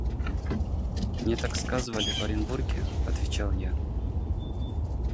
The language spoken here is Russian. «Мне так сказывали в Оренбурге», – отвечал я.